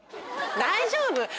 大丈夫。